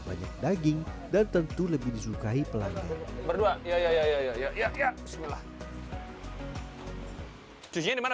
banyak daging dan tentu lebih disukai pelanggan berdua ya ya ya ya ya ya bismillah cuci dimana